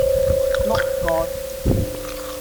碌葛